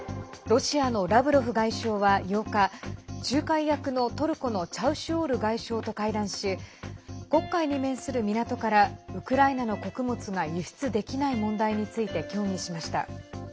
ロシアのラブロフ外相は８日仲介役のトルコのチャウシュオール外相と会談し黒海に面する港からウクライナの穀物が輸出できない問題について協議しました。